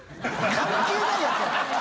関係ないやつ！